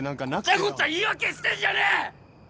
ごちゃごちゃ言い訳してんじゃねえ！